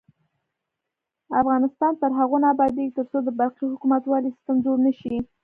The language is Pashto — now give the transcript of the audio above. افغانستان تر هغو نه ابادیږي، ترڅو د برقی حکومتولي سیستم جوړ نشي.